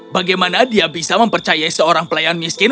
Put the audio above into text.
bagaimana dia bisa mempercayai seorang pelayan miskin